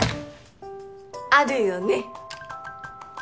あるよね？